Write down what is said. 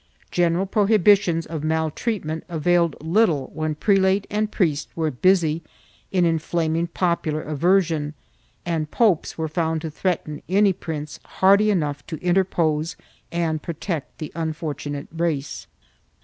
3 General prohibitions of maltreatment availed little when prelate and priest were busy in inflaming popular aversion and popes were found to threaten any prince hardy enough to interpose and protect the unfortunate race.